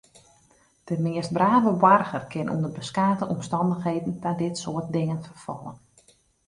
De meast brave boarger kin ûnder beskate omstannichheden ta dit soart dingen ferfalle.